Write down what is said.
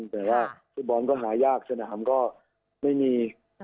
แต่ว่าฟุตบอลก็หายากสนามก็ไม่มี